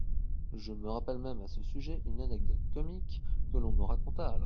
Je me rappelle même à ce sujet une anecdote comique que l'on me raconta alors.